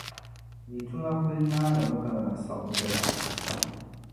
ti yuma kul naarimi kaman siɣimbu la.